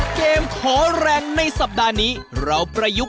มาจากการทำขนมตานของบ้านน้องขาวเขานี่แหละครับ